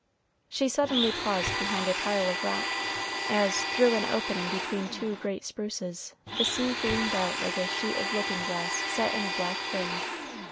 She suddenly paused behind a pile of rock, as, through an opening between two great spruces, the sea gleamed out like a sheet of looking glass set in a black frame.